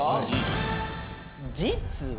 実は。